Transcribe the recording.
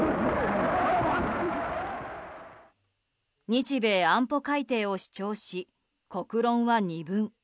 日米安保改定を主張し国論は二分。